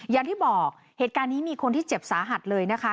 อย่างที่บอกเหตุการณ์นี้มีคนที่เจ็บสาหัสเลยนะคะ